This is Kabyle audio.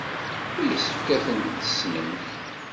Yessefk ad tent-tessnemt.